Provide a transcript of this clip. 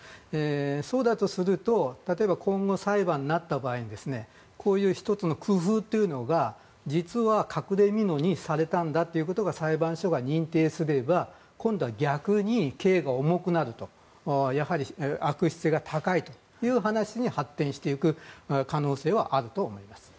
そうだとすると例えば今後、裁判になった場合こういう１つの工夫というのが実は隠れ蓑にされたんだということが裁判所が認定すれば今度は逆に刑が重くなると悪質性が高いという話に発展していく可能性はあると思います。